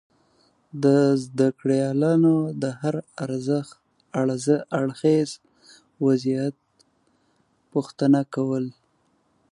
د زده کړیالانو دهر اړخیز وضعیت پوښتنه کول